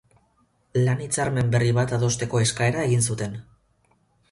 Lan Hitzarmen berri bat adosteko eskaera egin zuten.